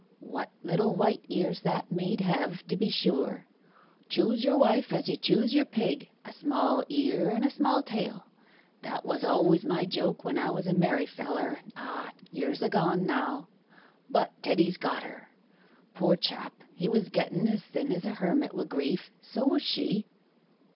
What little white ears that maid hev, to be sure! choose your wife as you choose your pig a small ear and a small tale that was always my joke when I was a merry feller, ah years agone now! But Teddy's got her. Poor chap, he was getten as thin as a hermit wi' grief so was she.